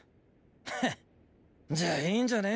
ヘッじゃいーんじゃね？